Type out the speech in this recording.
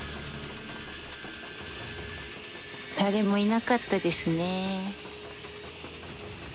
誰もいなかったですね。